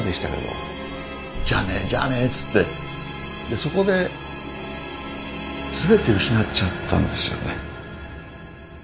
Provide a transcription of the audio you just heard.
そこですべて失っちゃったんですよね。